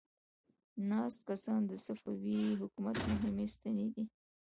ناست کسان د صفوي حکومت مهمې ستنې دي.